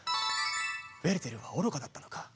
ウェルテルは愚かだったのか。